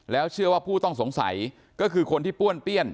แล้วเชื่อว่าผู้ต้องสงสัยก็คือคนที่ป้วนเปี้ยน